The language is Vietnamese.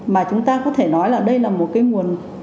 mà chúng ta có thể nói là đây là một cái nguồn